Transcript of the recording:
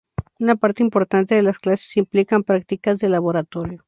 Una parte importante de las clases implican prácticas de laboratorio.